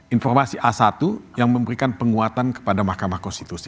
informasi a satu yang memberikan penguatan kepada mahkamah konstitusi